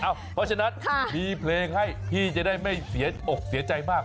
เพราะฉะนั้นมีเพลงให้พี่จะได้ไม่เสียอกเสียใจมาก